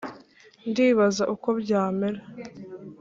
ndibaza uko byamera